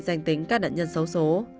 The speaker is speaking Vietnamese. danh tính các nạn nhân xấu xố